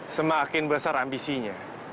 semakin besar ambisinya